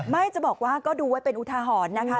ไม่จะบอกว่าก็ดูไว้เป็นอุทาหรณ์นะคะ